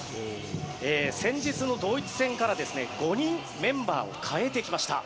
先日のドイツ戦から５人メンバーを代えてきました。